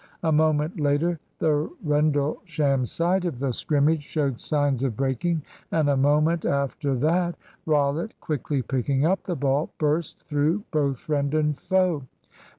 A moment later, the Rendlesham side of the scrimmage showed signs of breaking, and a moment after that Rollitt, quickly picking up the ball, burst through both friend and foe.